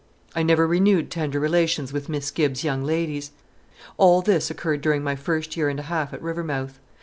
I never renewed tender relations with Miss Gibbs's young ladies. All this occurred during my first year and a half at Rivermouth.